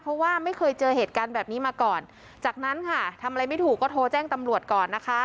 เพราะว่าไม่เคยเจอเหตุการณ์แบบนี้มาก่อนจากนั้นค่ะทำอะไรไม่ถูกก็โทรแจ้งตำรวจก่อนนะคะ